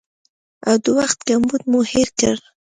او د وخت کمبود مو هېر کړ